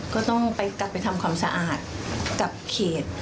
ก็ต้องไปทำความสะอาดกับเขต